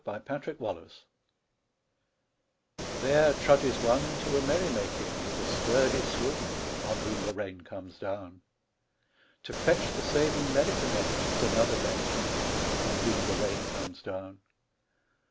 AN AUTUMN RAIN SCENE There trudges one to a merry making With a sturdy swing, On whom the rain comes down. To fetch the saving medicament Is another bent, On whom the rain comes down.